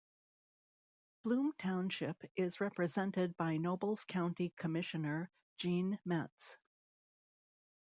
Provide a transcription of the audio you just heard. Bloom Township is represented by Nobles County Commissioner Gene Metz.